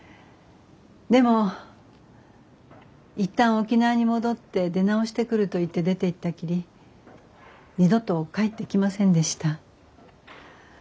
でも一旦沖縄に戻って出直してくると言って出ていったきり二度と帰ってきませんでした。